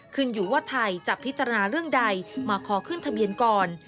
ขึ้นอยู่ว่าไทยจะพิจารณาเรื่องใดมาขอขึ้นทะเบียนก่อน